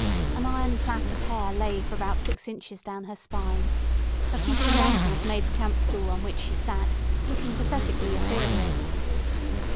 An iron plait of hair lay for about six inches down her spine; her feet and ankles made the campstool on which she sat, looking pathetically ethereal.